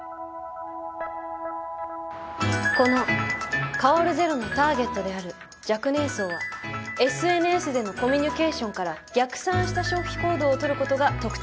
この「香るＺＥＲＯ」のターゲットである若年層はＳＮＳでのコミュニケーションから逆算した消費行動をとる事が特徴的です。